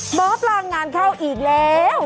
หมอปลางานเข้าอีกแล้ว